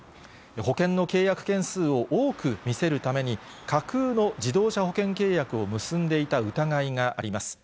保険の契約件数を多く見せるために、架空の自動車保険契約を結んでいた疑いがあります。